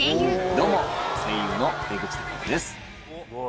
どうも声優の江口拓也です。